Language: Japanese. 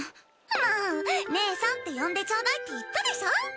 もう義姉さんって呼んでちょうだいって言ったでしょ。